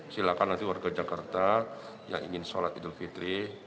silakan nanti warga jakarta yang ingin sholat idul fitri